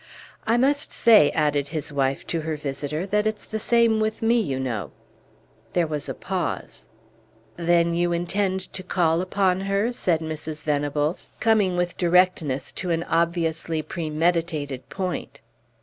"I must say," added his wife to her visitor, "that it's the same with me, you know." There was a pause. "Then you intend to call upon her?" said Mrs. Venables, coming with directness to an obviously premeditated point.